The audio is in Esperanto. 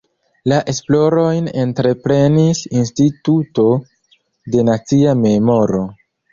La esplorojn entreprenis Instituto de Nacia Memoro.